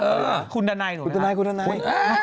อืมคุณดาไนน่ยย์ถูกไหมคะคุณดาไนุนะฮะเห้อะ